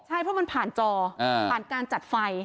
ใช่เพราะมันผ่านจอผ่านการจัดไฟ